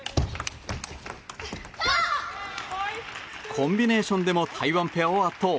コンビネーションでも台湾ペアを圧倒。